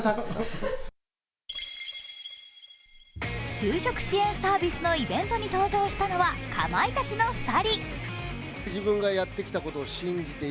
就職支援サービスのイベントに登場したのはかまいたちの２人。